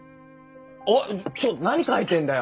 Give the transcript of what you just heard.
あっちょっと何書いてんだよ！